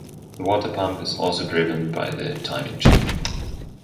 The water pump is also driven by the timing chain.